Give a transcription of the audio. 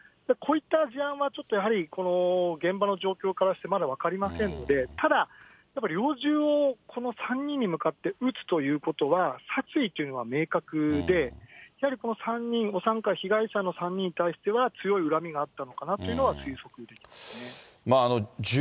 こういった事案はちょっとやはり、現場の状況からしてまだ分かりませんので、ただ、やっぱり猟銃をこの３人に向かって撃つということは、殺意というのは明確で、やはりこの３人、被害者の３人に対しては強い恨みがあったのかなというのは推測できますね。